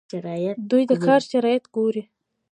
دوی د کار شرایط ګوري.